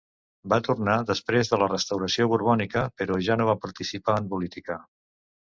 Va tornar després de la restauració borbònica però ja nova participar en política.